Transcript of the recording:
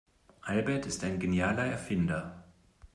Albert ist ein genialer Erfinder.